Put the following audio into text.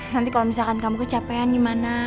nanti kalau misalkan kamu kecapean gimana